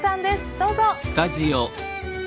どうぞ。